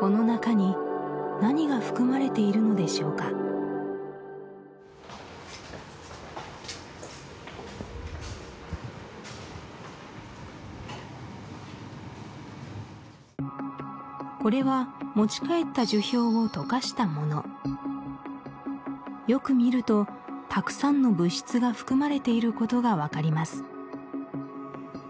この中に何が含まれているのでしょうかこれは持ち帰った樹氷を溶かしたものよく見るとたくさんの物質が含まれていることが分かります